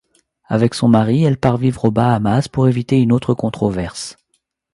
Avec son mari, elle part vivre aux Bahamas pour éviter une autre controverse.